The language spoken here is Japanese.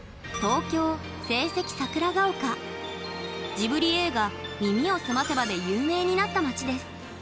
ジブリ映画「耳をすませば」で有名になった街です。